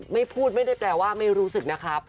ไม่พูดไม่ได้แปลว่าไม่รู้สึกนะครับ